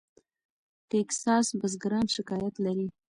ټیکساس بزګران شکایت لري.